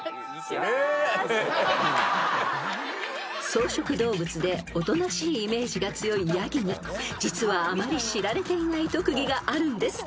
［草食動物でおとなしいイメージが強いヤギに実はあまり知られていない特技があるんです］